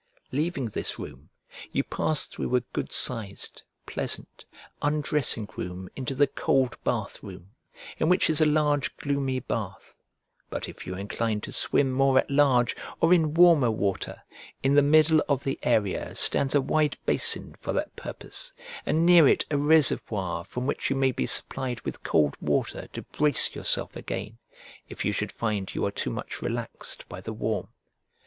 Leaving this room, you pass through a good sized, pleasant, undressing room into the cold bath room, in which is a large gloomy bath: but if you are inclined to swim more at large, or in warmer water, in the middle of the area stands a wide basin for that purpose, and near it a reservoir from which you may be supplied with cold water to brace yourself again, if you should find you are too much relaxed by the warm.